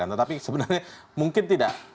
tapi sebenarnya mungkin tidak